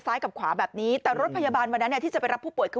กับขวาแบบนี้แต่รถพยาบาลวันนั้นเนี่ยที่จะไปรับผู้ป่วยคือ